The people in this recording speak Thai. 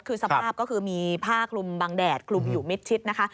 คือสภาพก็คือมีผ้าคลุมบางแดดคลุมอยู่มิดชิดนะคะ